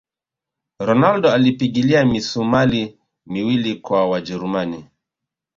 ronaldo alipigilia misumali miwili kwa wajerumani